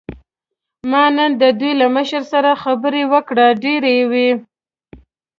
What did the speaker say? ما نن د دوی له مشر سره خبرې وکړې، ډېرې یې وې.